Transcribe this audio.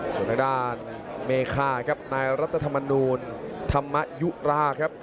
ส่วนทางด้านเมคาครับนายรัฐธรรมนูลธรรมยุราครับ